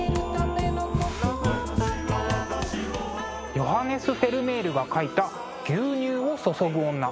ヨハネス・フェルメールが描いた「牛乳を注ぐ女」。